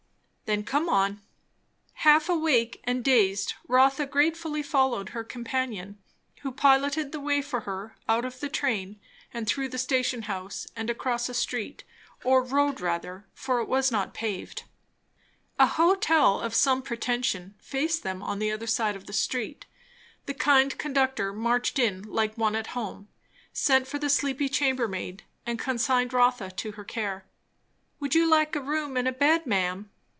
"Then come on." Half awake, and dazed, Rotha gratefully followed her companion; who piloted the way for her out of the train and through the station house and across a street, or road rather, for it was not paved. A hotel of some pretension faced them on the other side of the street. The kind conductor marched in like one at home, sent for the sleepy chambermaid, and consigned Rotha to her care. "You would like a room and a bed, ma'am?"